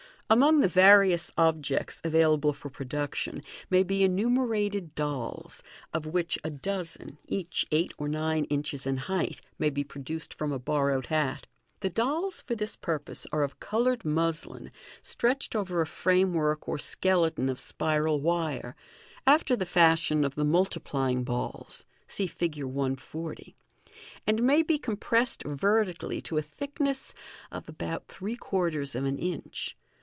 — Among the various objects available for production, may be enumerated dolls, of which a dozen, each eight or nine inches in height, may be produced from a borrowed hat. The dolls for this purpose are of coloured muslin, stretched over a framework or skeleton of spiral wire, after the fashion of the multiplying balls (see Fig. 140), and may be compressed vertically to a thickness of about three quarters of an inch.